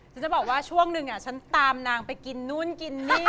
จะบอกว่าช่วงหนึ่งฉันตามนางไปกินนู่นกินนี่